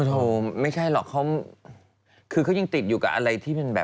โอ้โฮไม่ใช่หรอกเขายิ่งติดอยู่กับอะไรที่เป็นแบบ